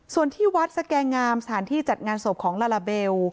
ส่วนที่วัดสแกงามสถานที่จัดงานศพของลาลาเบล